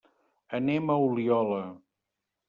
Anem a Oliola.